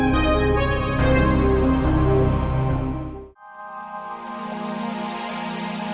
terus saya kurus kering begini